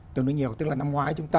tương đối nhiều tức là năm ngoái chúng ta